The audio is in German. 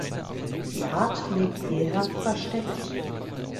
Die Art lebt eher versteckt.